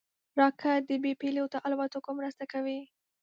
راکټ د بېپيلوټه الوتکو مرسته کوي